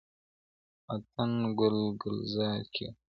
وطن ګل ګلزار کيږي.